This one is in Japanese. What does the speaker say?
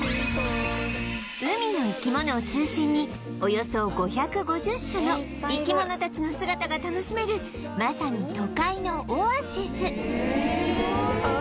海の生き物を中心におよそ５５０種の生き物たちの姿が楽しめるまさに都会のオアシス